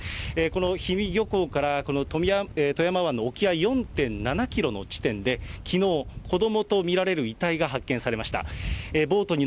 この氷見漁港からこの富山湾の沖合４．７キロの地点で、きのう、子どもと見られる遺体が発見されました。